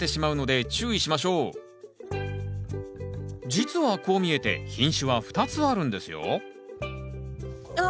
実はこう見えて品種は２つあるんですよああ